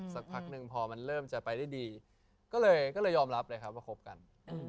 สักพักหนึ่งพอมันเริ่มจะไปได้ดีก็เลยยอมรับเลยครับว่าคบกัน